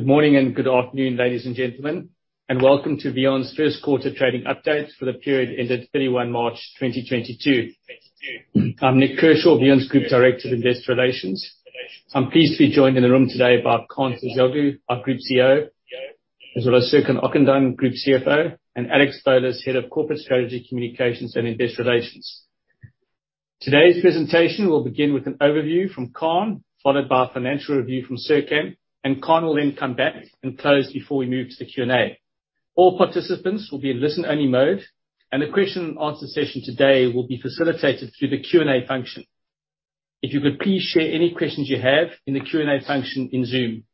Good morning and good afternoon, ladies and gentlemen, and welcome to VEON's First Quarter Trading Update for the period ended 31 March 2022. I'm Nik Kershaw, VEON's Group Director of Investor Relations. I'm pleased to be joined in the room today by Kaan Terzioğlu, our Group CEO, as well as Serkan Okandan, Group CFO, and Alex Bolis, Head of Corporate Strategy, Communications and Investor Relations. Today's presentation will begin with an overview from Kaan, followed by a financial review from Serkan, and Kaan will then come back and close before we move to the Q&A. All participants will be in listen-only mode, and the question and answer session today will be facilitated through the Q&A function. If you could please share any questions you have in the Q&A function in Zoom.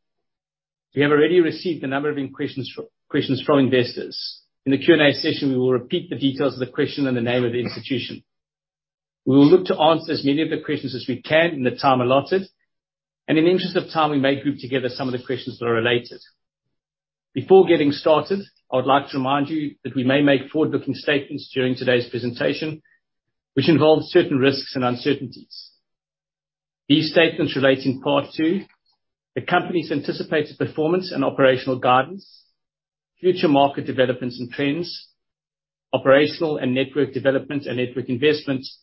We have already received a number of questions from investors. In the Q&A session, we will repeat the details of the question and the name of the institution. We will look to answer as many of the questions as we can in the time allotted, and in the interest of time, we may group together some of the questions that are related. Before getting started, I would like to remind you that we may make forward-looking statements during today's presentation, which involve certain risks and uncertainties. These statements relate in part to the company's anticipated performance and operational guidance, future market developments and trends, operational and network developments and network investments,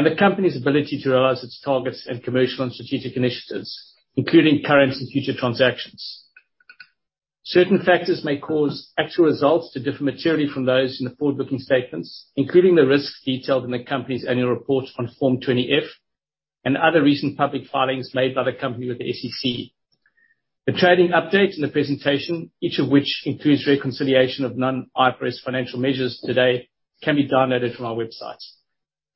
and the company's ability to realize its targets and commercial and strategic initiatives, including current and future transactions. Certain factors may cause actual results to differ materially from those in the forward-looking statements, including the risks detailed in the company's annual report on Form 20-F and other recent public filings made by the company with the SEC. The trading updates in the presentation, each of which includes reconciliation of non-IFRS financial measures today, can be downloaded from our website.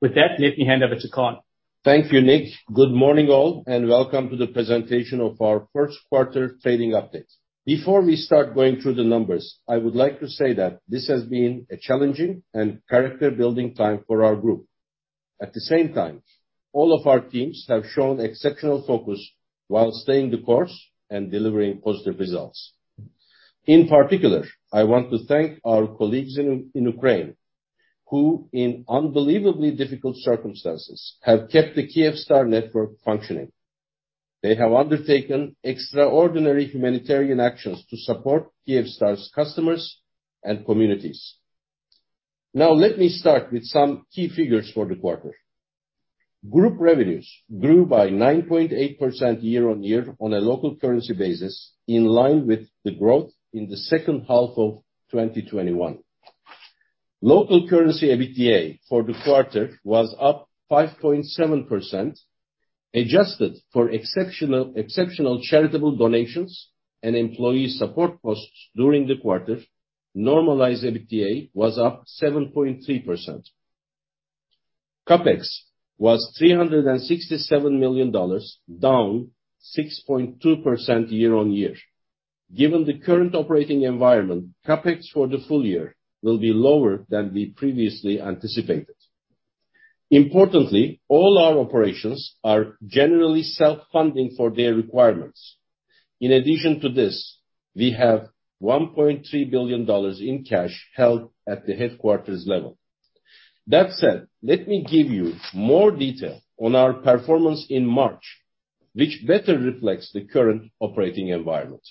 With that, let me hand over to Kaan. Thank you, Nick. Good morning, all, and welcome to the presentation of our first quarter trading update. Before we start going through the numbers, I would like to say that this has been a challenging and character-building time for our group. At the same time, all of our teams have shown exceptional focus while staying the course and delivering positive results. In particular, I want to thank our colleagues in Ukraine, who in unbelievably difficult circumstances have kept the Kyivstar network functioning. They have undertaken extraordinary humanitarian actions to support Kyivstar's customers and communities. Now, let me start with some key figures for the quarter. Group revenues grew by 9.8% year-on-year on a local currency basis, in line with the growth in the second half of 2021. Local currency EBITDA for the quarter was up 5.7%. Adjusted for exceptional charitable donations and employee support costs during the quarter, normalized EBITDA was up 7.3%. CapEx was $367 million, down 6.2% year-on-year. Given the current operating environment, CapEx for the full year will be lower than we previously anticipated. Importantly, all our operations are generally self-funding for their requirements. In addition to this, we have $1.3 billion in cash held at the headquarters level. That said, let me give you more detail on our performance in March, which better reflects the current operating environment.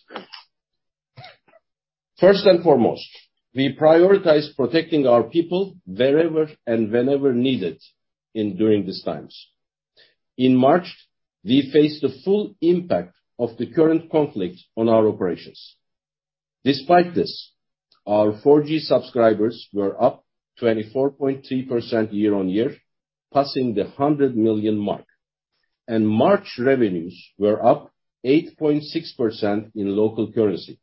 First and foremost, we prioritize protecting our people wherever and whenever needed during these times. In March, we faced the full impact of the current conflict on our operations. Despite this, our 4G subscribers were up 24.3% year-on-year, passing the 100 million mark. March revenues were up 8.6% in local currency.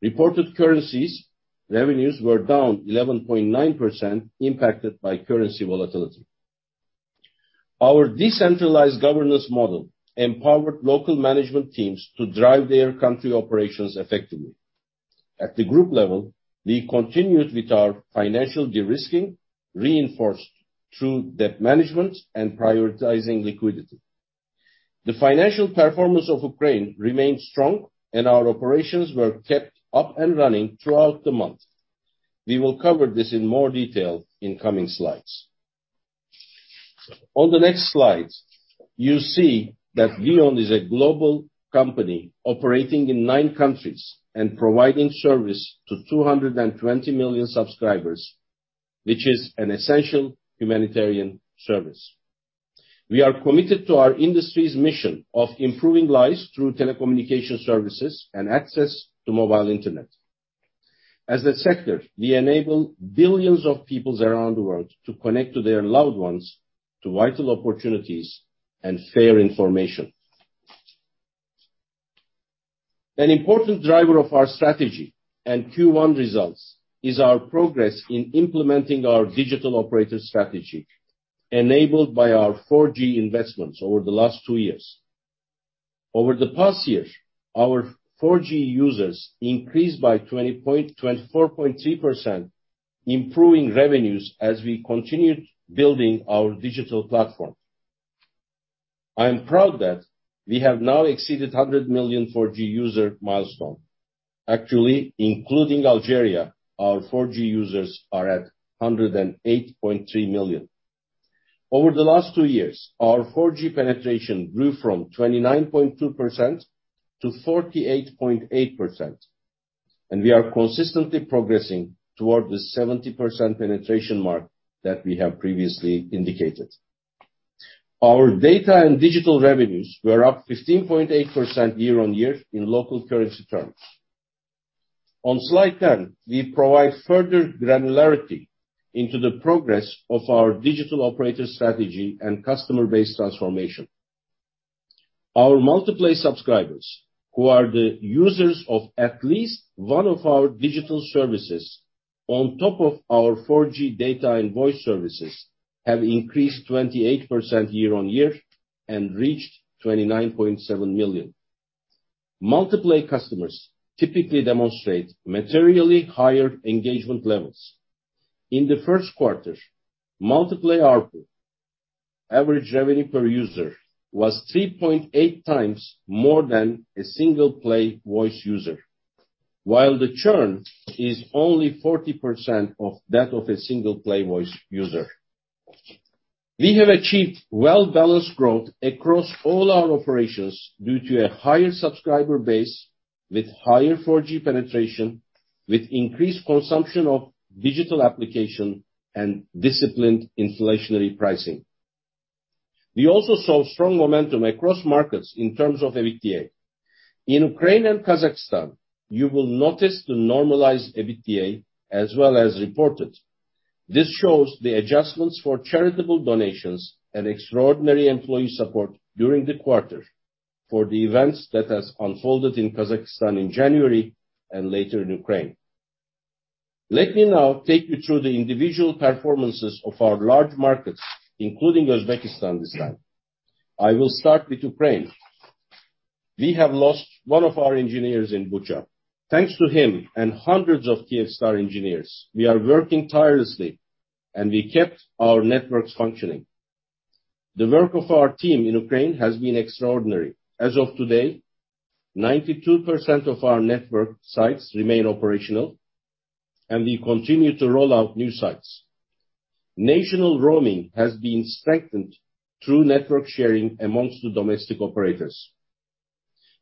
In reported currencies, revenues were down 11.9% impacted by currency volatility. Our decentralized governance model empowered local management teams to drive their country operations effectively. At the group level, we continued with our financial de-risking, reinforced through debt management and prioritizing liquidity. The financial performance of Ukraine remained strong and our operations were kept up and running throughout the month. We will cover this in more detail in coming slides. On the next slide, you see that VEON is a global company operating in nine countries and providing service to 220 million subscribers, which is an essential humanitarian service. We are committed to our industry's mission of improving lives through telecommunication services and access to mobile internet. As a sector, we enable billions of people around the world to connect to their loved ones, to vital opportunities and fair information. An important driver of our strategy and Q1 results is our progress in implementing our digital operator strategy, enabled by our 4G investments over the last two years. Over the past year, our 4G users increased by 24.3%, improving revenues as we continued building our digital platform. I am proud that we have now exceeded 100 million 4G user milestone. Actually, including Algeria, our 4G users are at 108.3 million. Over the last two years, our 4G penetration grew from 29.2% to 48.8%, and we are consistently progressing toward the 70% penetration mark that we have previously indicated. Our data and digital revenues were up 15.8% year-on-year in local currency terms. On slide 10, we provide further granularity into the progress of our digital operator strategy and customer base transformation. Our Multiplay subscribers, who are the users of at least one of our digital services on top of our 4G data and voice services, have increased 28% year-on-year and reached 29.7 million. Multiplay customers typically demonstrate materially higher engagement levels. In the first quarter, Multiplay ARPU, average revenue per user, was 3.8x more than a single play voice user. While the churn is only 40% of that of a single play voice user. We have achieved well-balanced growth across all our operations due to a higher subscriber base with higher 4G penetration, with increased consumption of digital applications and disciplined inflationary pricing. We also saw strong momentum across markets in terms of EBITDA. In Ukraine and Kazakhstan, you will notice the normalized EBITDA as well as reported. This shows the adjustments for charitable donations and extraordinary employee support during the quarter for the events that has unfolded in Kazakhstan in January and later in Ukraine. Let me now take you through the individual performances of our large markets, including Uzbekistan this time. I will start with Ukraine. We have lost one of our engineers in Bucha. Thanks to him and hundreds of Kyivstar engineers, we are working tirelessly, and we kept our networks functioning. The work of our team in Ukraine has been extraordinary. As of today, 92% of our network sites remain operational and we continue to roll out new sites. National roaming has been strengthened through network sharing among the domestic operators.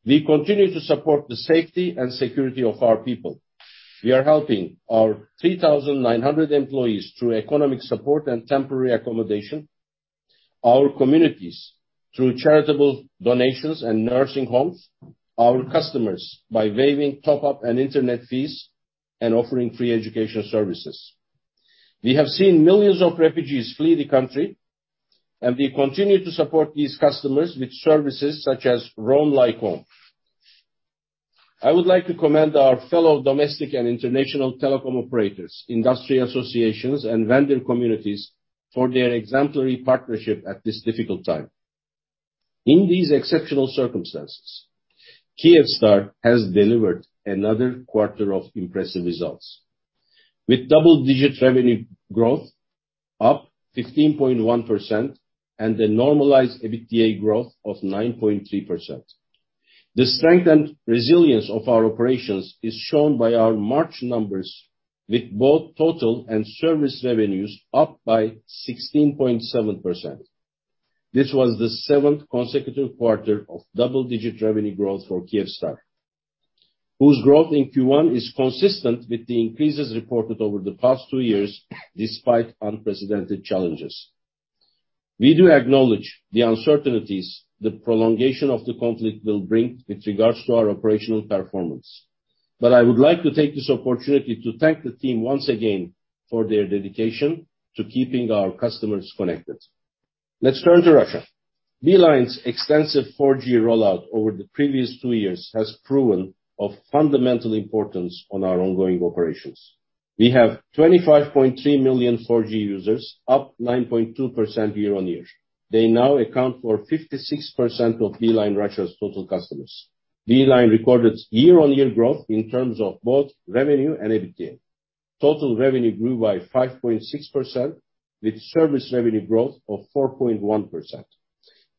We continue to support the safety and security of our people. We are helping our 3,900 employees through economic support and temporary accommodation, our communities through charitable donations and nursing homes, our customers by waiving top-up and internet fees, and offering free education services. We have seen millions of refugees flee the country, and we continue to support these customers with services such as Roam Like Home. I would like to commend our fellow domestic and international telecom operators, industry associations, and vendor communities for their exemplary partnership at this difficult time. In these exceptional circumstances, Kyivstar has delivered another quarter of impressive results with double-digit revenue growth up 15.1% and a normalized EBITDA growth of 9.3%. The strength and resilience of our operations is shown by our March numbers with both total and service revenues up by 16.7%. This was the seventh consecutive quarter of double-digit revenue growth for Kyivstar, whose growth in Q1 is consistent with the increases reported over the past two years, despite unprecedented challenges. We do acknowledge the uncertainties the prolongation of the conflict will bring with regards to our operational performance. I would like to take this opportunity to thank the team once again for their dedication to keeping our customers connected. Let's turn to Russia. Beeline's extensive 4G rollout over the previous two years has proven of fundamental importance to our ongoing operations. We have 25.3 million 4G users, up 9.2% year-on-year. They now account for 56% of Beeline Russia's total customers. Beeline recorded year-on-year growth in terms of both revenue and EBITDA. Total revenue grew by 5.6%, with service revenue growth of 4.1%.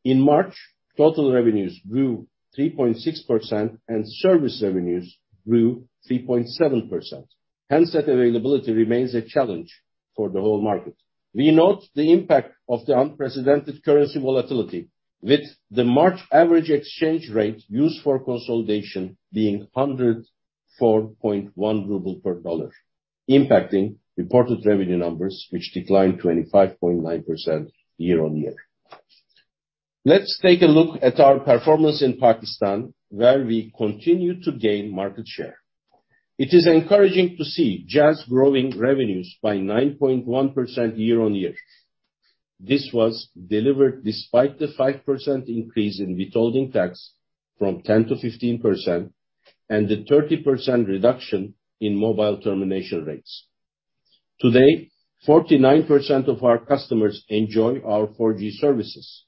In March, total revenues grew 3.6% and service revenues grew 3.7%. Handset availability remains a challenge for the whole market. We note the impact of the unprecedented currency volatility with the March average exchange rate used for consolidation being 104.1 ruble per $, impacting reported revenue numbers, which declined 25.9% year-on-year. Let's take a look at our performance in Pakistan, where we continue to gain market share. It is encouraging to see Jazz growing revenues by 9.1% year-on-year. This was delivered despite the 5% increase in withholding tax from 10% to 15% and the 30% reduction in mobile termination rates. Today, 49% of our customers enjoy our 4G services.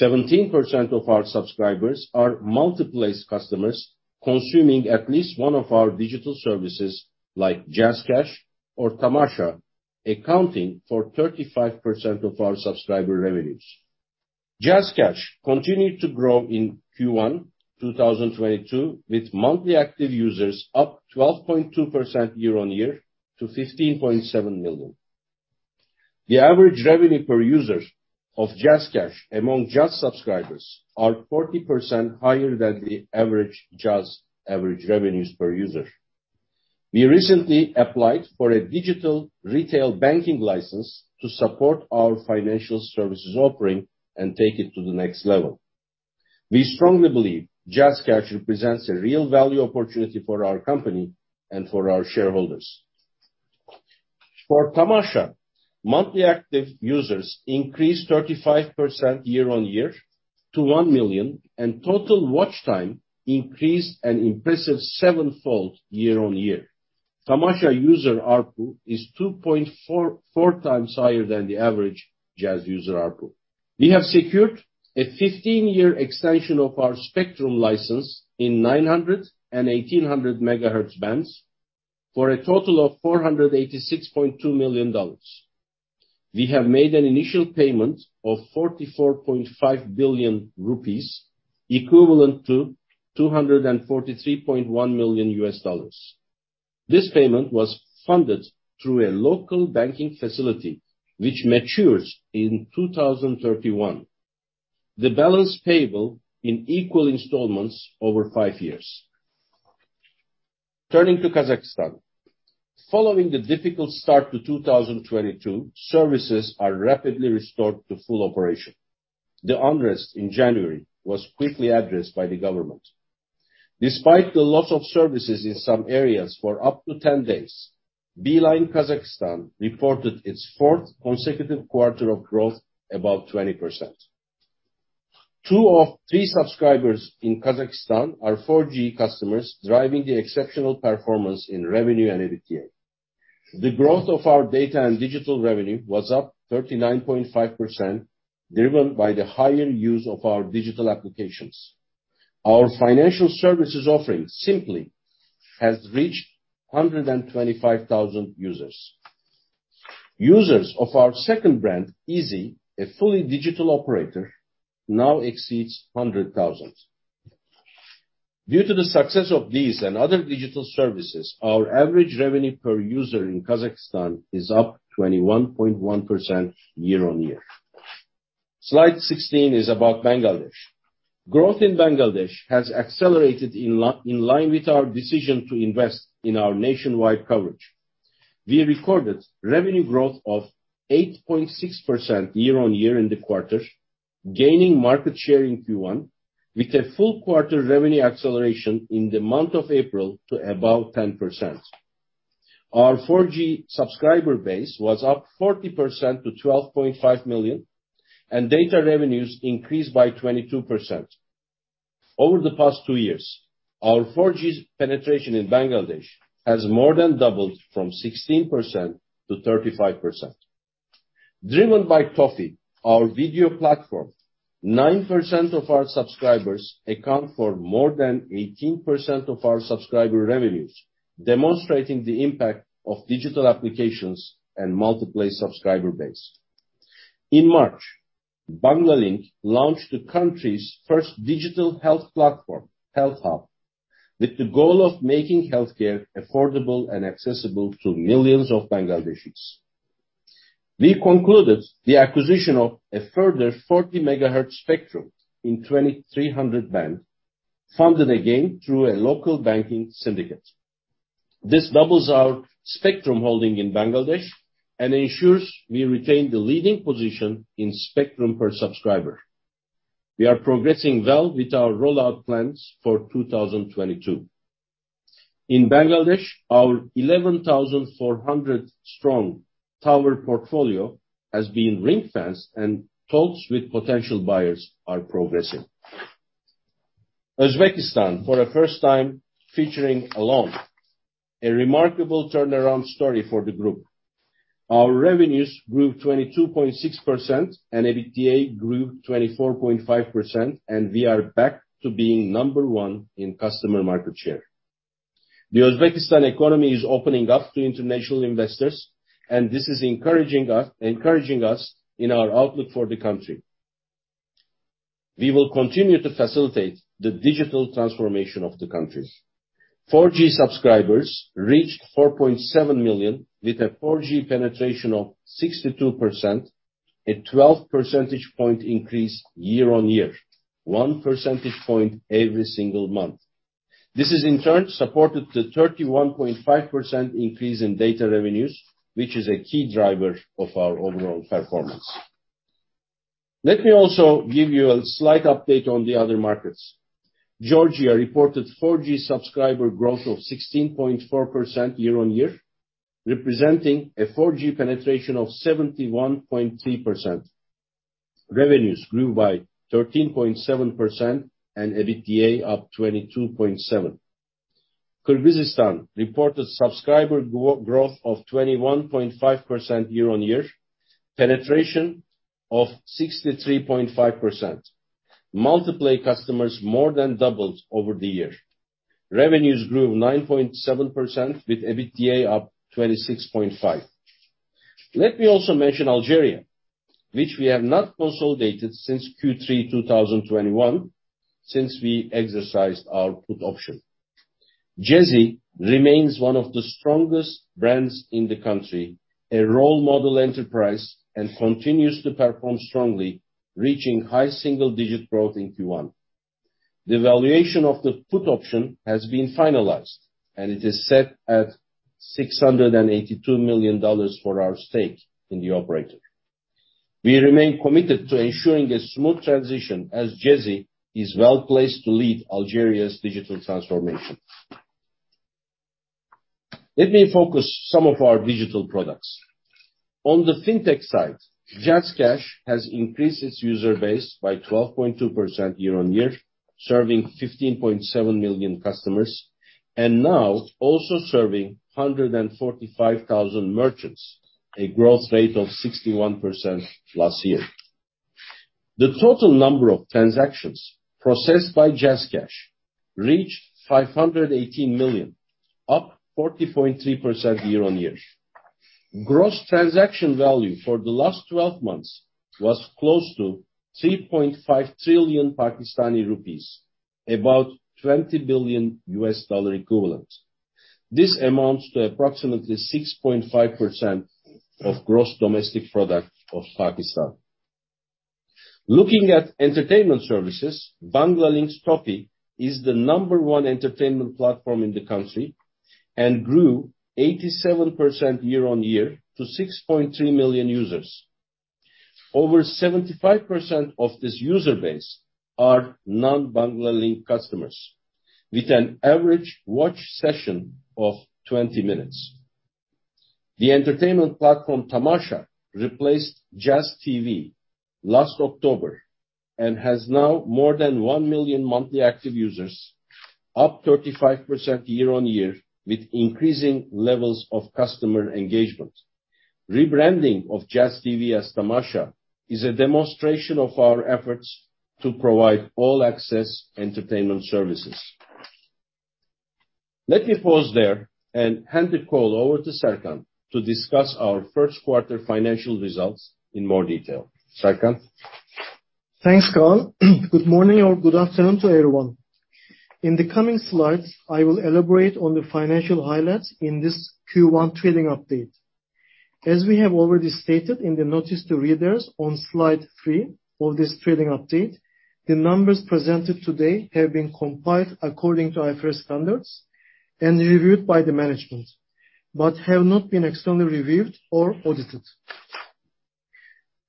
17% of our subscribers are Multiplay's customers, consuming at least one of our digital services like JazzCash or Tamasha, accounting for 35% of our subscriber revenues. JazzCash continued to grow in Q1 2022, with monthly active users up 12.2% year-on-year to 15.7 million. The average revenue per users of JazzCash among Jazz subscribers are 40% higher than the average Jazz average revenues per user. We recently applied for a digital retail banking license to support our financial services offering and take it to the next level. We strongly believe JazzCash represents a real value opportunity for our company and for our shareholders. For Tamasha, monthly active users increased 35% year-on-year to 1 million, and total watch time increased an impressive sevenfold year-on-year. Tamasha user ARPU is 2.4x higher than the average Jazz user ARPU. We have secured a 15-year extension of our spectrum license in 900- and 1800-MHz bands for a total of $486.2 million. We have made an initial payment of PKR 44.5 billion, equivalent to $243.1 million. This payment was funded through a local banking facility which matures in 2031. The balance payable in equal installments over 5 years. Turning to Kazakhstan. Following the difficult start to 2022, services are rapidly restored to full operation. The unrest in January was quickly addressed by the government. Despite the loss of services in some areas for up to 10 days, Beeline Kazakhstan reported its fourth consecutive quarter of growth, about 20%. Two of three subscribers in Kazakhstan are 4G customers, driving the exceptional performance in revenue and EBITDA. The growth of our data and digital revenue was up 39.5%, driven by the higher use of our digital applications. Our financial services offering simply has reached 125,000 users. Users of our second brand, Izi, a fully digital operator, now exceeds 100,000. Due to the success of these and other digital services, our average revenue per user in Kazakhstan is up 21.1% year-on-year. Slide 16 is about Bangladesh. Growth in Bangladesh has accelerated in line with our decision to invest in our nationwide coverage. We recorded revenue growth of 8.6% year-on-year in the quarter, gaining market share in Q1, with a full quarter revenue acceleration in the month of April to about 10%. Our 4G subscriber base was up 40% to 12.5 million, and data revenues increased by 22%. Over the past two years, our 4G penetration in Bangladesh has more than doubled from 16% to 35%. Driven by Toffee, our video platform, 9% of our subscribers account for more than 18% of our subscriber revenues, demonstrating the impact of digital applications and multiplay subscriber base. In March, Banglalink launched the country's first digital health platform, Health Hub, with the goal of making health care affordable and accessible to millions of Bangladeshis. We concluded the acquisition of a further 40 MHz spectrum in 2,300 band, funded again through a local banking syndicate. This doubles our spectrum holding in Bangladesh and ensures we retain the leading position in spectrum per subscriber. We are progressing well with our rollout plans for 2022. In Bangladesh, our 11,400-strong tower portfolio has been ring-fenced and talks with potential buyers are progressing. Uzbekistan, for the first time featuring alone, a remarkable turnaround story for the group. Our revenues grew 22.6% and EBITDA grew 24.5%, and we are back to being number one in customer market share. The Uzbekistan economy is opening up to international investors, and this is encouraging us in our outlook for the country. We will continue to facilitate the digital transformation of the countries. 4G subscribers reached 4.7 million, with a 4G penetration of 62%, a 12 percentage point increase year-on-year, 1 percentage point every single month. This has in turn supported the 31.5% increase in data revenues, which is a key driver of our overall performance. Let me also give you a slight update on the other markets. Georgia reported 4G subscriber growth of 16.4% year-over-year, representing a 4G penetration of 71.3%. Revenues grew by 13.7% and EBITDA up 22.7%. Kyrgyzstan reported subscriber growth of 21.5% year-over-year, penetration of 63.5%. Multiplay customers more than doubled over the year. Revenues grew 9.7%, with EBITDA up 26.5%. Let me also mention Algeria, which we have not consolidated since Q3 2021, since we exercised our put option. Djezzy remains one of the strongest brands in the country, a role model enterprise, and continues to perform strongly, reaching high single-digit growth in Q1. The valuation of the put option has been finalized, and it is set at $682 million for our stake in the operator. We remain committed to ensuring a smooth transition, as Djezzy is well placed to lead Algeria's digital transformation. Let me focus on some of our digital products. On the fintech side, JazzCash has increased its user base by 12.2% year-over-year, serving 15.7 million customers, and now also serving 145,000 merchants, a growth rate of 61% last year. The total number of transactions processed by JazzCash reached 518 million, up 40.3% year-over-year. Gross transaction value for the last twelve months was close to PKR 3.5 trillion, about $20 billion equivalent. This amounts to approximately 6.5% of gross domestic product of Pakistan. Looking at entertainment services, Banglalink's Toffee is the number one entertainment platform in the country and grew 87% year-on-year to 6.3 million users. Over 75% of this user base are non-Banglalink customers, with an average watch session of 20 minutes. The entertainment platform, Tamasha, replaced Jazz TV last October and has now more than 1 million monthly active users, up 35% year-on-year, with increasing levels of customer engagement. Rebranding of Jazz TV as Tamasha is a demonstration of our efforts to provide all-access entertainment services. Let me pause there and hand the call over to Serkan to discuss our first quarter financial results in more detail. Serkan? Thanks, Kaan. Good morning or good afternoon to everyone. In the coming slides, I will elaborate on the financial highlights in this Q1 trading update. As we have already stated in the notice to readers on slide 3 of this trading update, the numbers presented today have been compiled according to IFRS standards and reviewed by the management, but have not been externally reviewed or audited.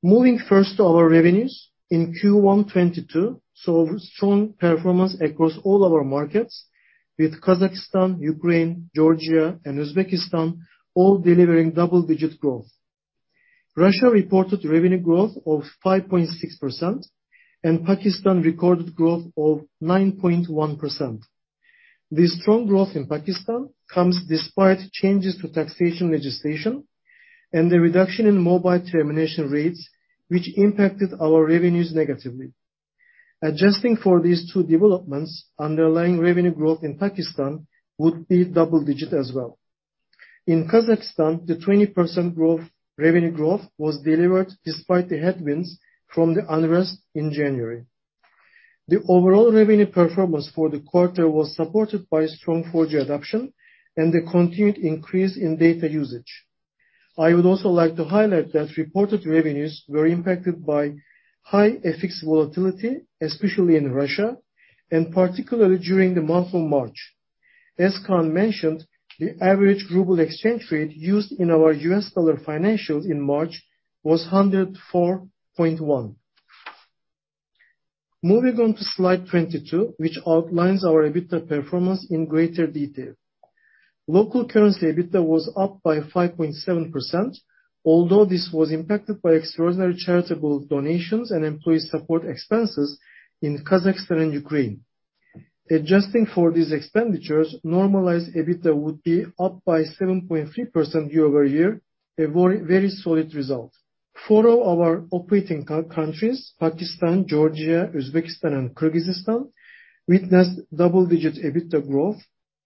Moving first to our revenues, in Q1 2022 saw strong performance across all our markets, with Kazakhstan, Ukraine, Georgia, and Uzbekistan all delivering double-digit growth. Russia reported revenue growth of 5.6%, and Pakistan recorded growth of 9.1%. This strong growth in Pakistan comes despite changes to taxation legislation and the reduction in mobile termination rates, which impacted our revenues negatively. Adjusting for these two developments, underlying revenue growth in Pakistan would be double digit as well. In Kazakhstan, the 20% growth, revenue growth was delivered despite the headwinds from the unrest in January. The overall revenue performance for the quarter was supported by strong 4G adoption and the continued increase in data usage. I would also like to highlight that reported revenues were impacted by high FX volatility, especially in Russia, and particularly during the month of March. As Kaan mentioned, the average ruble exchange rate used in our US dollar financials in March was 104.1. Moving on to slide 22, which outlines our EBITDA performance in greater detail. Local currency EBITDA was up by 5.7%, although this was impacted by extraordinary charitable donations and employee support expenses in Kazakhstan and Ukraine. Adjusting for these expenditures, normalized EBITDA would be up by 7.3% year-over-year, a very, very solid result. Four of our operating countries, Pakistan, Georgia, Uzbekistan, and Kyrgyzstan, witnessed double-digit EBITDA growth,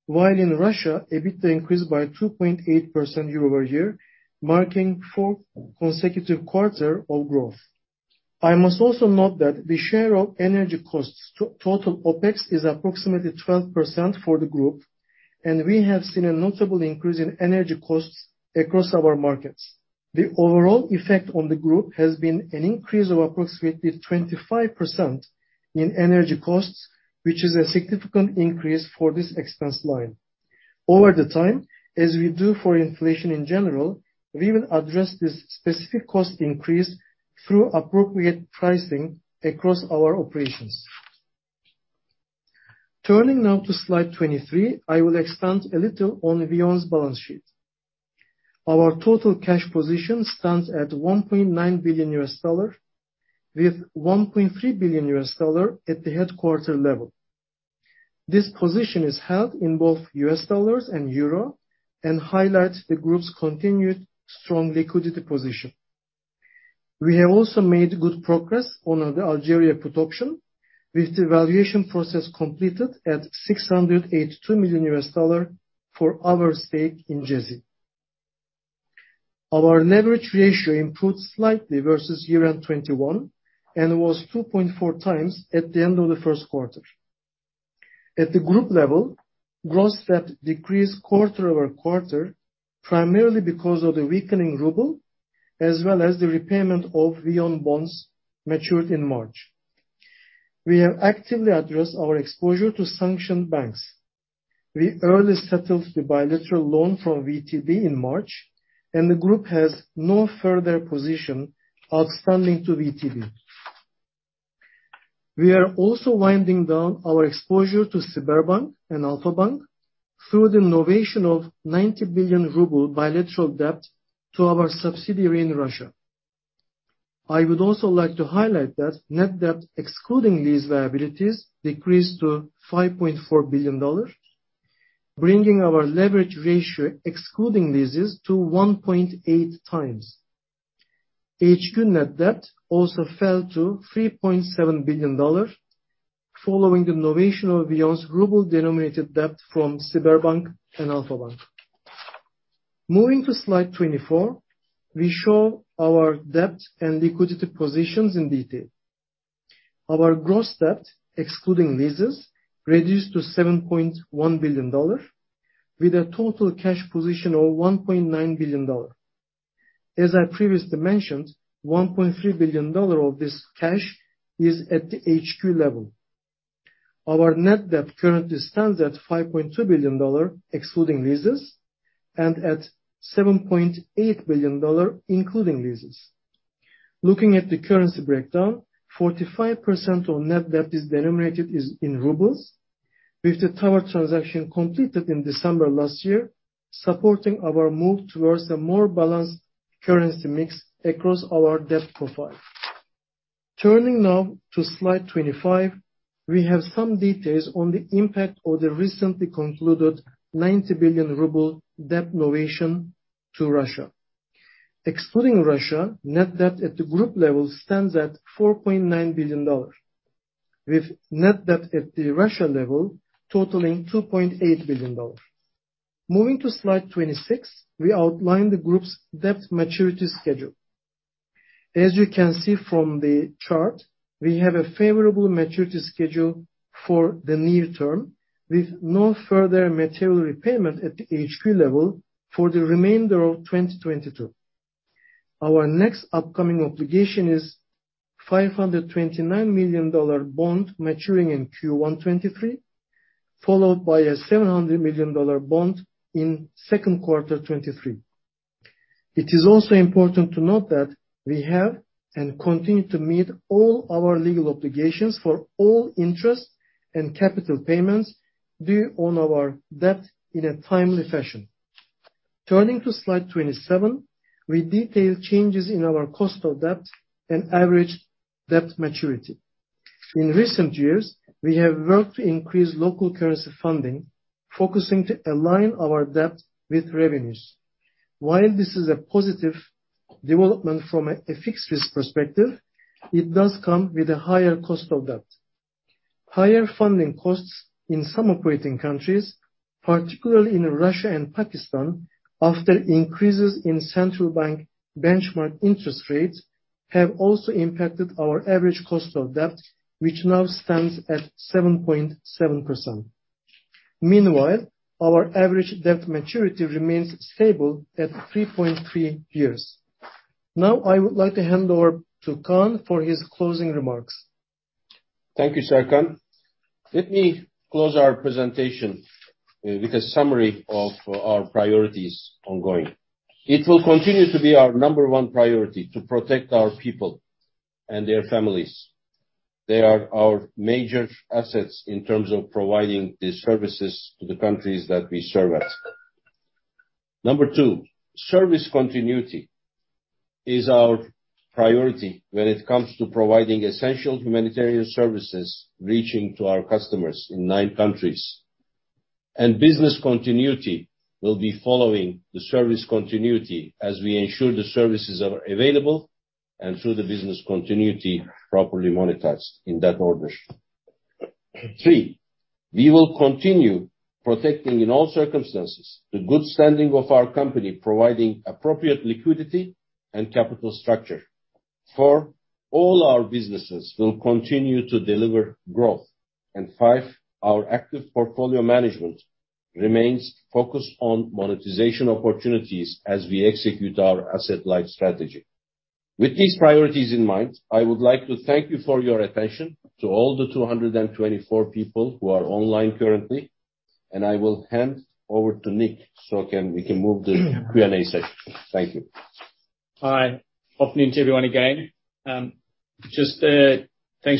while in Russia, EBITDA increased by 2.8% year-over-year, marking fourth consecutive quarter of growth. I must also note that the share of energy costs to total OpEx is approximately 12% for the group, and we have seen a notable increase in energy costs across our markets. The overall effect on the group has been an increase of approximately 25% in energy costs, which is a significant increase for this expense line. Over time, as we do for inflation in general, we will address this specific cost increase through appropriate pricing across our operations. Turning now to slide 23, I will expand a little on VEON's balance sheet. Our total cash position stands at $1.9 billion, with $1.3 billion at the headquarters level. This position is held in both U.S. dollars and euro, and highlights the group's continued strong liquidity position. We have also made good progress on the Algeria put option, with the valuation process completed at $682 million for our stake in GTH. Our leverage ratio improved slightly versus year-end 2021, and was 2.4x at the end of the first quarter. At the group level, gross debt decreased quarter-over-quarter, primarily because of the weakening ruble, as well as the repayment of VEON bonds matured in March. We have actively addressed our exposure to sanctioned banks. We early settled the bilateral loan from VTB in March, and the group has no further position outstanding to VTB. We are also winding down our exposure to Sberbank and Alfa-Bank through the novation of 90 billion ruble bilateral debt to our subsidiary in Russia. I would also like to highlight that net debt, excluding these liabilities, decreased to $5.4 billion, bringing our leverage ratio excluding leases to 1.8x. HQ net debt also fell to $3.7 billion following the novation of VEON's ruble-denominated debt from Sberbank and Alfa-Bank. Moving to slide 24, we show our debt and liquidity positions in detail. Our gross debt, excluding leases, reduced to $7.1 billion, with a total cash position of $1.9 billion. As I previously mentioned, $1.3 billion of this cash is at the HQ level. Our net debt currently stands at $5.2 billion excluding leases, and at $7.8 billion including leases. Looking at the currency breakdown, 45% of net debt is denominated in rubles, with the tower transaction completed in December last year, supporting our move towards a more balanced currency mix across our debt profile. Turning now to slide 25, we have some details on the impact of the recently concluded 90 billion ruble debt novation to Russia. Excluding Russia, net debt at the group level stands at $4.9 billion, with net debt at the Russia level totaling $2.8 billion. Moving to slide 26, we outline the group's debt maturity schedule. As you can see from the chart, we have a favorable maturity schedule for the near term, with no further material repayment at the HQ level for the remainder of 2022. Our next upcoming obligation is $529 million bond maturing in Q1 2023, followed by a $700 million bond in second quarter 2023. It is also important to note that we have and continue to meet all our legal obligations for all interest and capital payments due on our debt in a timely fashion. Turning to slide 27, we detail changes in our cost of debt and average debt maturity. In recent years, we have worked to increase local currency funding, focusing to align our debt with revenues. While this is a positive development from a FX risk perspective, it does come with a higher cost of debt. Higher funding costs in some operating countries, particularly in Russia and Pakistan, after increases in central bank benchmark interest rates, have also impacted our average cost of debt, which now stands at 7.7%. Meanwhile, our average debt maturity remains stable at 3.3 years. Now, I would like to hand over to Kaan for his closing remarks. Thank you, Serkan. Let me close our presentation with a summary of our priorities ongoing. It will continue to be our number one priority to protect our people and their families. They are our major assets in terms of providing these services to the countries that we serve at. Number two, service continuity is our priority when it comes to providing essential humanitarian services reaching to our customers in nine countries. Business continuity will be following the service continuity as we ensure the services are available, and through the business continuity, properly monetized in that order. Three, we will continue protecting in all circumstances the good standing of our company, providing appropriate liquidity and capital structure. Four, all our businesses will continue to deliver growth. Five, our active portfolio management remains focused on monetization opportunities as we execute our asset-light strategy. With these priorities in mind, I would like to thank you for your attention to all the 224 people who are online currently, and I will hand over to Nik so we can move the Q&A session. Thank you. Hi. Afternoon to everyone again. Thanks very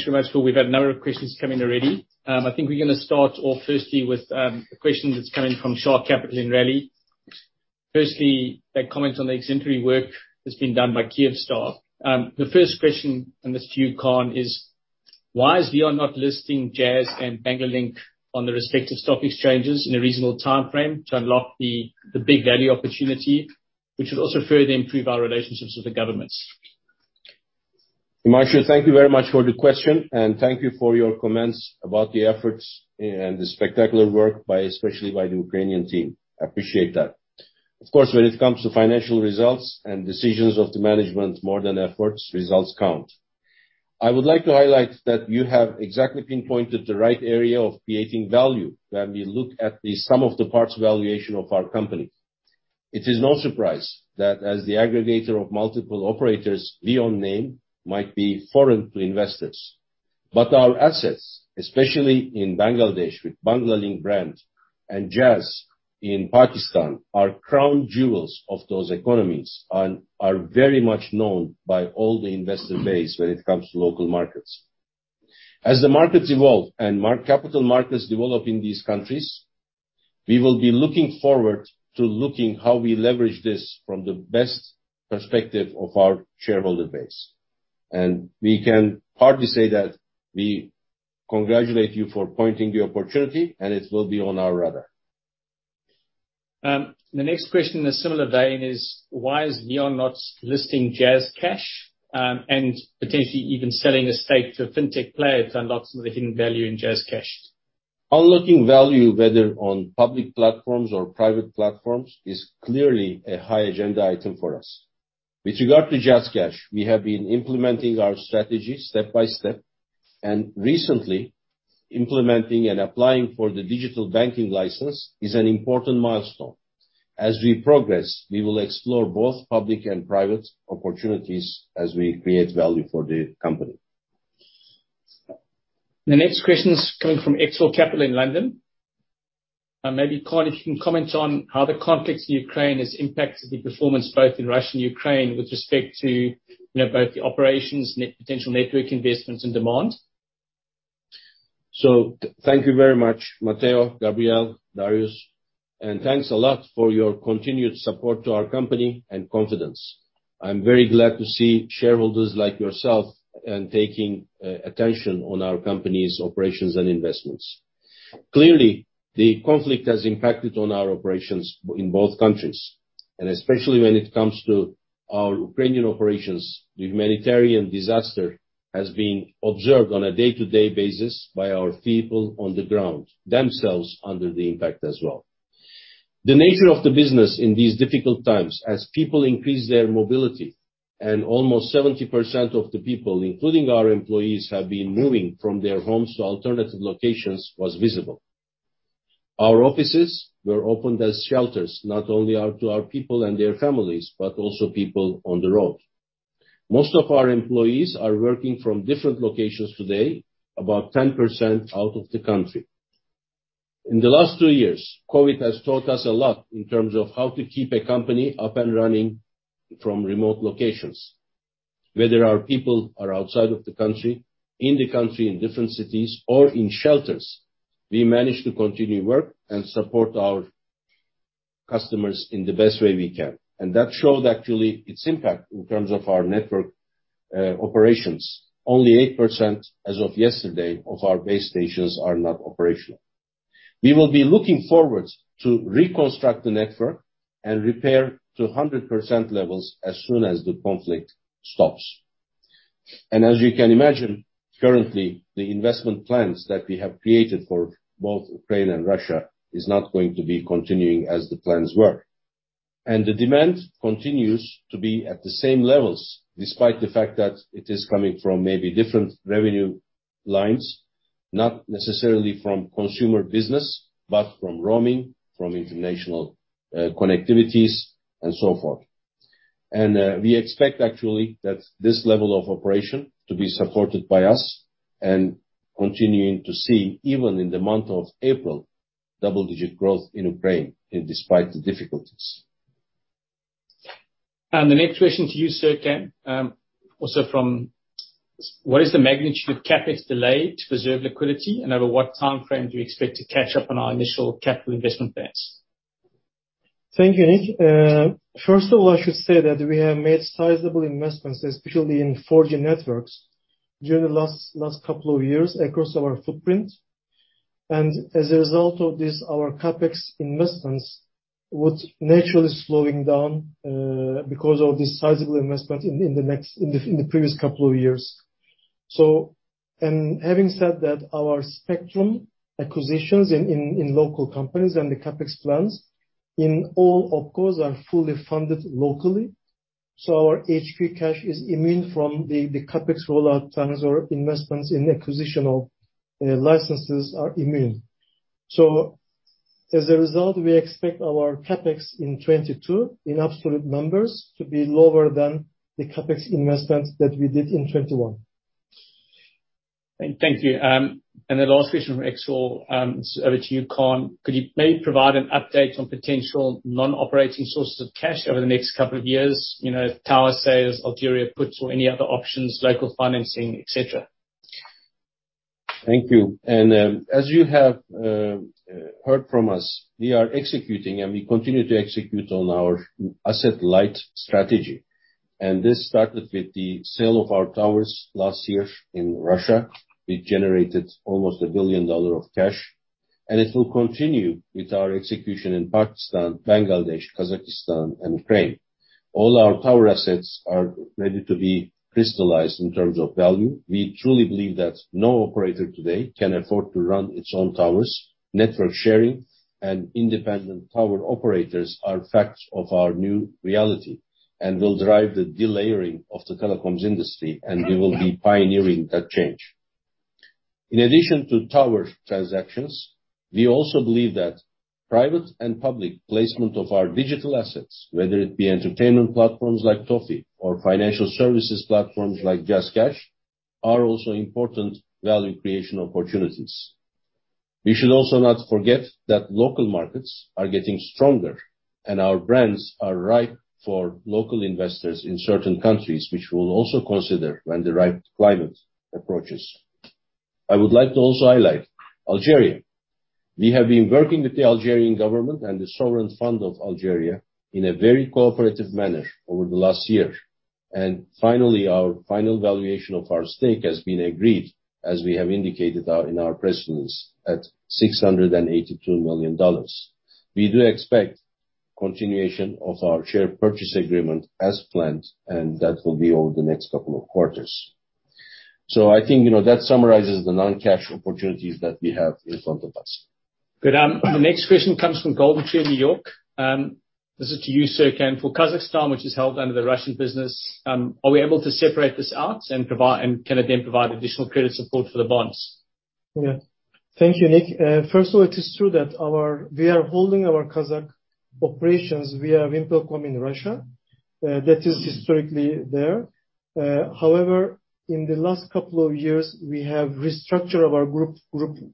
much. We've had a number of questions come in already. I think we're gonna start off firstly with a question that's come in from Shah Capital and Raleigh. Firstly, a comment on the exemplary work that's been done by Kyivstar. The first question, and it's to you, Kaan, is. Why is VEON not listing Jazz and Banglalink on the respective stock exchanges in a reasonable time frame to unlock the big value opportunity, which will also further improve our relationships with the governments? Marshall, thank you very much for the question, and thank you for your comments about the efforts and the spectacular work by, especially by the Ukrainian team. I appreciate that. Of course, when it comes to financial results and decisions of the management, more than efforts, results count. I would like to highlight that you have exactly pinpointed the right area of creating value when we look at the sum of the parts valuation of our company. It is no surprise that as the aggregator of multiple operators, VEON name might be foreign to investors. But our assets, especially in Bangladesh with Banglalink brand and Jazz in Pakistan, are crown jewels of those economies and are very much known by all the investor base when it comes to local markets. As the markets evolve and capital markets develop in these countries, we will be looking forward to how we leverage this from the best perspective of our shareholder base. We can partly say that we congratulate you for pointing the opportunity, and it will be on our radar. The next question in a similar vein is: why is VEON not listing JazzCash, and potentially even selling a stake to a fintech player to unlock some of the hidden value in JazzCash? Unlocking value, whether on public platforms or private platforms, is clearly a high agenda item for us. With regard to JazzCash, we have been implementing our strategy step by step, and recently implementing and applying for the digital banking license is an important milestone. As we progress, we will explore both public and private opportunities as we create value for the company. The next question is coming from Exotix Capital in London. Maybe, Kaan, if you can comment on how the conflict in Ukraine has impacted the performance both in Russia and Ukraine with respect to, you know, both the operations, potential network investments and demand. Thank you very much Matteo, Gabrielle, Darius, and thanks a lot for your continued support to our company and confidence. I'm very glad to see shareholders like yourself and taking attention on our company's operations and investments. Clearly, the conflict has impacted on our operations in both countries, and especially when it comes to our Ukrainian operations. The humanitarian disaster has been observed on a day-to-day basis by our people on the ground, themselves under the impact as well. The nature of the business in these difficult times, as people increase their mobility, and almost 70% of the people, including our employees, have been moving from their homes to alternative locations, was visible. Our offices were opened as shelters, not only to our people and their families, but also people on the road. Most of our employees are working from different locations today, about 10% out of the country. In the last two years, COVID has taught us a lot in terms of how to keep a company up and running from remote locations. Whether our people are outside of the country, in the country, in different cities or in shelters, we manage to continue work and support our customers in the best way we can. That showed actually its impact in terms of our network, operations. Only 8% as of yesterday of our base stations are not operational. We will be looking forward to reconstruct the network and repair to 100% levels as soon as the conflict stops. As you can imagine, currently, the investment plans that we have created for both Ukraine and Russia is not going to be continuing as the plans were. The demand continues to be at the same levels, despite the fact that it is coming from maybe different revenue lines, not necessarily from consumer business, but from roaming, from international, connectivities and so forth. We expect actually that this level of operation to be supported by us and continuing to see, even in the month of April, double digit growth in Ukraine despite the difficulties. The next question to you, Serkan, what is the magnitude of CapEx delay to preserve liquidity, and over what time frame do you expect to catch up on our initial capital investment plans? Thank you, Nick. First of all, I should say that we have made sizable investments, especially in 4G networks during the last couple of years across our footprint. As a result of this, our CapEx investments was naturally slowing down because of the sizable investment in the previous couple of years. Having said that, our spectrum acquisitions in local companies and the CapEx plans in all OpCos are fully funded locally. Our HQ cash is immune from the CapEx rollout plans or investments in acquisition of licenses are immune. As a result, we expect our CapEx in 2022, in absolute numbers, to be lower than the CapEx investments that we did in 2021. Thank you. The last question from Exotix, over to you, Kaan. Could you maybe provide an update on potential non-operating sources of cash over the next couple of years? You know, tower sales, Algeria puts or any other options, local financing, et cetera. Thank you. As you have heard from us, we are executing and we continue to execute on our asset light strategy. This started with the sale of our towers last year in Russia. We generated almost $1 billion of cash, and it will continue with our execution in Pakistan, Bangladesh, Kazakhstan and Ukraine. All our tower assets are ready to be crystallized in terms of value. We truly believe that no operator today can afford to run its own towers. Network sharing and independent tower operators are facts of our new reality and will drive the delayering of the telecoms industry, and we will be pioneering that change. In addition to tower transactions, we also believe that private and public placement of our digital assets, whether it be entertainment platforms like Toffee or financial services platforms like JazzCash, are also important value creation opportunities. We should also not forget that local markets are getting stronger, and our brands are ripe for local investors in certain countries, which we'll also consider when the right climate approaches. I would like to also highlight Algeria. We have been working with the Algerian government and the sovereign fund of Algeria in a very cooperative manner over the last year. Finally, our final valuation of our stake has been agreed, as we have indicated in our press release at $682 million. We do expect continuation of our share purchase agreement as planned, and that will be over the next couple of quarters. I think, you know, that summarizes the non-cash opportunities that we have in front of us. Good. The next question comes from GoldenTree in New York. This is to you, Serkan. For Kazakhstan, which is held under the Russian business, are we able to separate this out and can it then provide additional credit support for the bonds? Yeah. Thank you, Nick. First of all, it is true that we are holding our Kazakh operations via VimpelCom in Russia. That is historically there. However, in the last couple of years we have restructured our group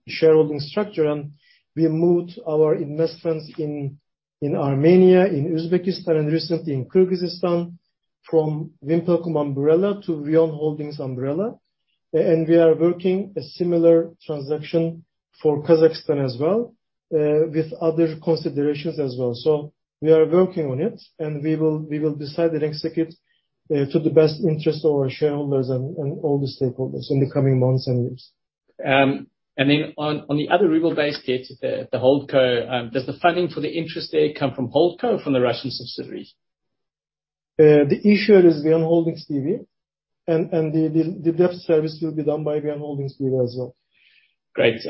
shareholding structure, and we moved our investments in Armenia, in Uzbekistan and recently in Kyrgyzstan from VimpelCom umbrella to VEON Holdings umbrella. And we are working a similar transaction for Kazakhstan as well, with other considerations as well. We are working on it, and we will decide and execute to the best interest of our shareholders and all the stakeholders in the coming months and years. On the other ruble-based debt, the holdco, does the funding for the interest there come from holdco or from the Russian subsidiaries? The issuer is VEON Holdings B.V., and the debt service will be done by VEON Holdings B.V. as well. Great.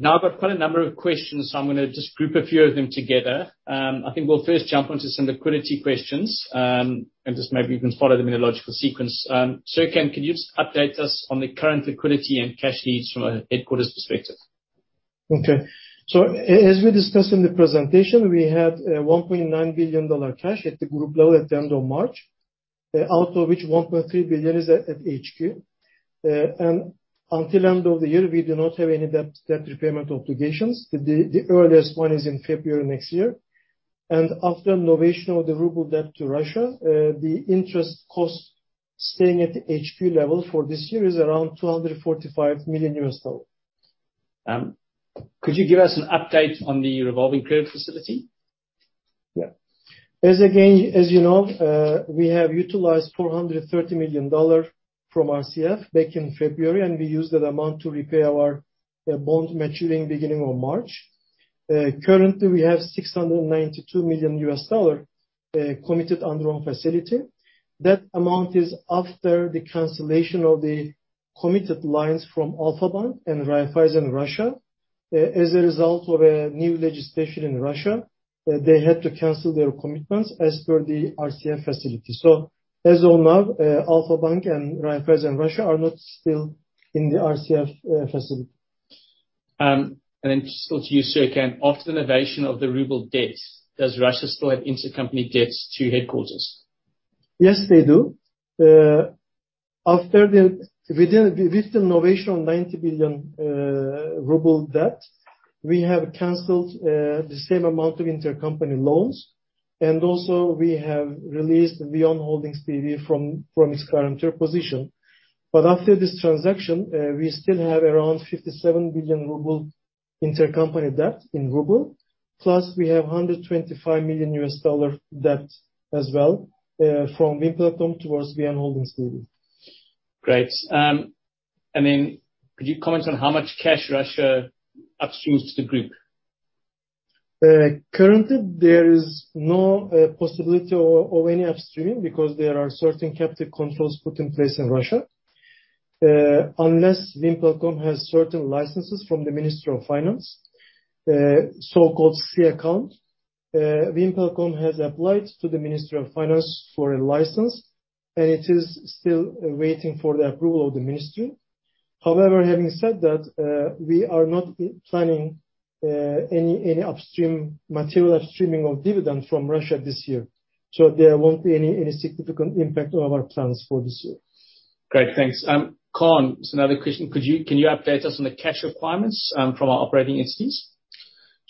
Now I've got quite a number of questions, so I'm gonna just group a few of them together. I think we'll first jump onto some liquidity questions, and just maybe even follow them in a logical sequence. Serkan, can you just update us on the current liquidity and cash needs from a headquarters perspective? Okay. As we discussed in the presentation, we had $1.9 billion cash at the group level at the end of March, out of which $1.3 billion is at HQ. Until end of the year, we do not have any debt repayment obligations. The earliest one is in February next year. After novation of the ruble debt to Russia, the interest costs staying at the HQ level for this year is around $245 million. Could you give us an update on the revolving credit facility? Yeah. As you know, we have utilized $430 million from RCF back in February, and we used that amount to repay our bond maturing beginning of March. Currently we have $692 million committed undrawn facility. That amount is after the cancellation of the committed lines from Alfa-Bank and Raiffeisen Russia. As a result of a new legislation in Russia, they had to cancel their commitments as per the RCF facility. So as of now, Alfa-Bank and Raiffeisen Russia are not still in the RCF facility. just talk to you, Serkan. After the novation of the ruble debt, does Russia still have intercompany debts to headquarters? Yes, they do. With the novation on 90 billion ruble debt, we have canceled the same amount of intercompany loans, and also we have released VEON Holdings B.V. from its current interposition. After this transaction, we still have around 57 billion ruble intercompany debt in ruble. Plus we have $125 million US dollar debt as well, from VimpelCom towards VEON Holdings B.V. Great. Could you comment on how much cash Russia upstreams to the group? Currently there is no possibility of any upstream because there are certain capital controls put in place in Russia. Unless VimpelCom has certain licenses from the Minister of Finance, so-called S account. VimpelCom has applied to the Minister of Finance for a license, and it is still waiting for the approval of the ministry. However, having said that, we are not planning any upstream, material upstreaming of dividends from Russia this year, so there won't be any significant impact on our plans for this year. Great, thanks. Kaan, just another question. Can you update us on the cash requirements from our operating entities?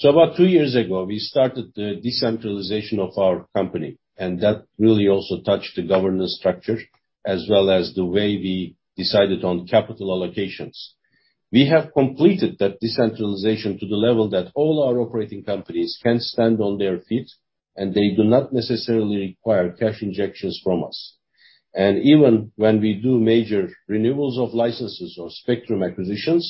About two years ago, we started the decentralization of our company, and that really also touched the governance structure, as well as the way we decided on capital allocations. We have completed that decentralization to the level that all our operating companies can stand on their feet, and they do not necessarily require cash injections from us. Even when we do major renewals of licenses or spectrum acquisitions,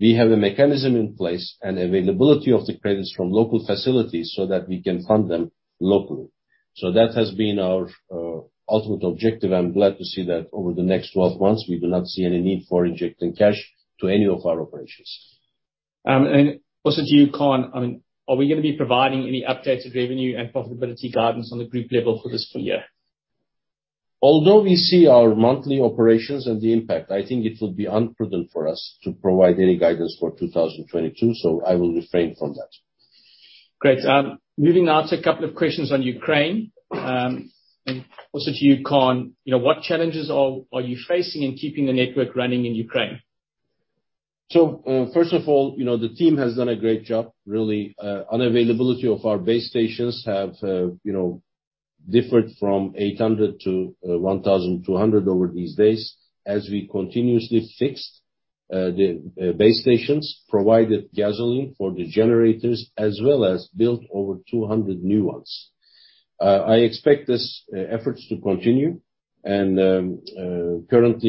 we have a mechanism in place and availability of the credits from local facilities so that we can fund them locally. That has been our ultimate objective. I'm glad to see that over the next 12 months, we do not see any need for injecting cash to any of our operations. To you, Kaan. I mean, are we gonna be providing any updated revenue and profitability guidance on the group level for this full year? Although we see our monthly operations and the impact, I think it would be imprudent for us to provide any guidance for 2022, so I will refrain from that. Great. Moving on to a couple of questions on Ukraine. Also to you, Kaan, you know, what challenges are you facing in keeping the network running in Ukraine? First of all, you know, the team has done a great job, really. Unavailability of our base stations have, you know, differed from 800-1,200 over these days, as we continuously fixed the base stations, provided gasoline for the generators, as well as built over 200 new ones. I expect these efforts to continue. Currently,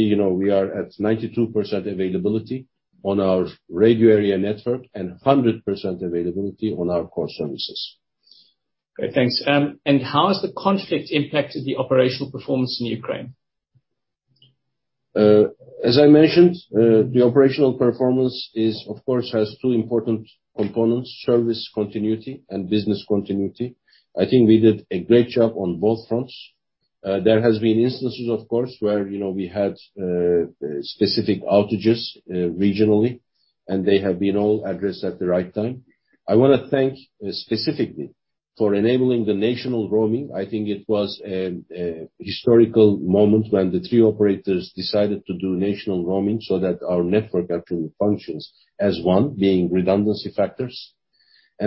you know, we are at 92% availability on our radio access network, and 100% availability on our core services. Okay, thanks. How has the conflict impacted the operational performance in Ukraine? As I mentioned, the operational performance is, of course, has two important components, service continuity and business continuity. I think we did a great job on both fronts. There has been instances, of course, where, you know, we had specific outages, regionally, and they have been all addressed at the right time. I wanna thank specifically for enabling the national roaming. I think it was a historical moment when the three operators decided to do national roaming so that our network actually functions as one, being redundancy factors.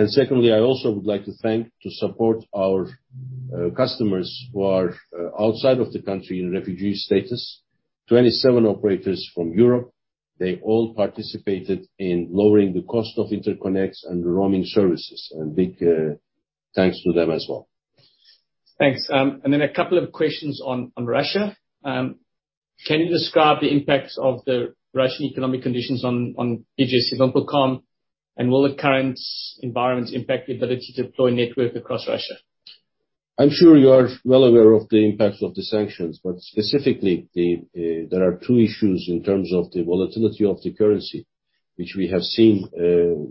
Secondly, I also would like to thank, to support our customers who are outside of the country in refugee status, 27 operators from Europe. They all participated in lowering the cost of interconnects and roaming services. Big thanks to them as well. Thanks. A couple of questions on Russia. Can you describe the impacts of the Russian economic conditions on Turkcell? For Kaan, and will the current environment impact the ability to deploy network across Russia? I'm sure you are well aware of the impacts of the sanctions, but specifically, there are two issues in terms of the volatility of the currency, which we have seen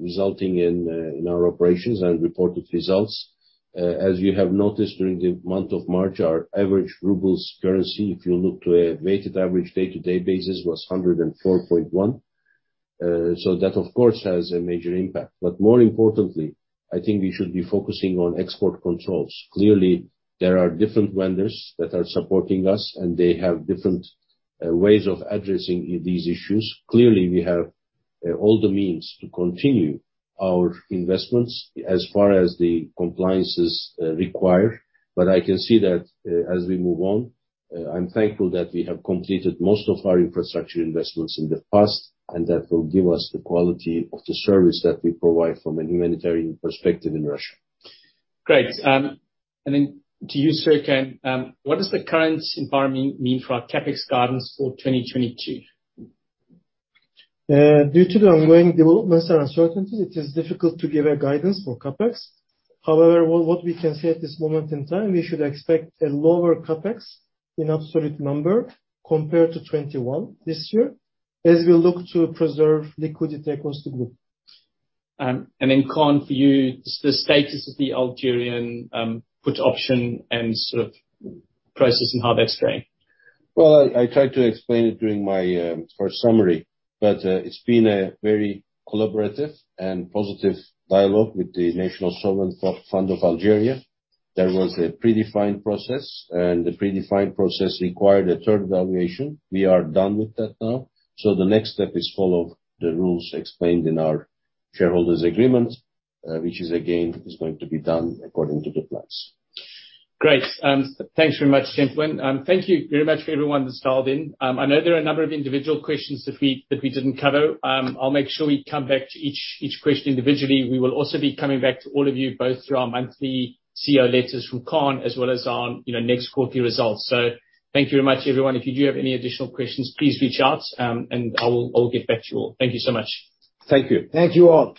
resulting in our operations and reported results. As you have noticed during the month of March, our average ruble exchange rate, if you look to a weighted average day-to-day basis, was 104.1. So that of course has a major impact. But more importantly, I think we should be focusing on export controls. Clearly, there are different vendors that are supporting us, and they have different ways of addressing these issues. Clearly, we have all the means to continue our investments as far as the compliance is required. I can see that, as we move on, I'm thankful that we have completed most of our infrastructure investments in the past, and that will give us the quality of the service that we provide from a humanitarian perspective in Russia. Great. To you, Serkan, what does the current environment mean for our CapEx guidance for 2022? Due to the ongoing developments and uncertainty, it is difficult to give a guidance for CapEx. However, what we can say at this moment in time, we should expect a lower CapEx in absolute number compared to 2021 this year, as we look to preserve liquidity across the group. Kaan, for you, just the status of the Algerian put option and sort of process and how that's going? Well, I tried to explain it during my first summary, but it's been a very collaborative and positive dialogue with the National Sovereign Fund of Algeria. There was a predefined process, and the predefined process required a third valuation. We are done with that now. The next step is follow the rules explained in our shareholders' agreement, which is again going to be done according to the plans. Great. Thanks very much, gentlemen. Thank you very much for everyone that's dialed in. I know there are a number of individual questions that we didn't cover. I'll make sure we come back to each question individually. We will also be coming back to all of you both through our monthly CEO letters from Kaan, as well as our, you know, next quarterly results. Thank you very much, everyone. If you do have any additional questions, please reach out, and I will get back to you all. Thank you so much. Thank you. Thank you, all.